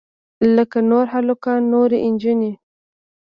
لکه نور هلکان نورې نجونې.